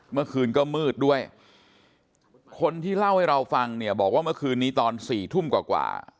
เมื่อคืนก็มืดด้วยคนที่เล่าให้เราฟังเนี่ยบอกว่าเมื่อคืนนี้ตอน๔ทุ่มกว่า